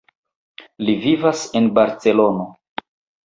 Li vivas en Barcelono.